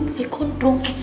puli kondong eh